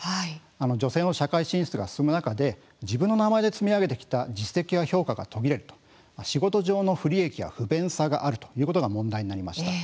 女性の社会進出が進む中で自分の名前で積み上げてきた実績や評価が途切れる仕事上の不利益や不便さがあるということが問題になりました。